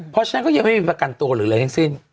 เพราะฉะนั้นก็ยังไม่มีประกันตัวหรืออะไรทั้งสิ้น